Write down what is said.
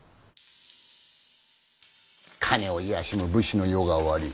金を卑しむ武士の世が終わり